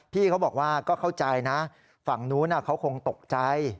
พี่เขาบอกว่าก็เข้าใจนะฝั่งนู้นเขาคงตกใจ